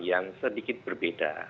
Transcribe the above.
yang sedikit berbeda